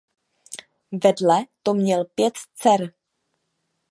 Vedle to měl pět dcer.